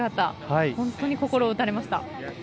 本当に心を打たれました。